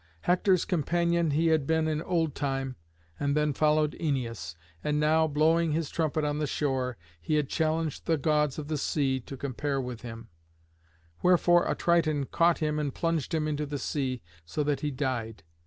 Hector's companion he had been in old time, and then followed Æneas. And now, blowing his trumpet on the shore, he had challenged the gods of the sea to compare with him; wherefore a Triton caught him and plunged him into the sea, so that he died.